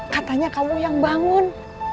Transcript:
katanya kamu yang bangun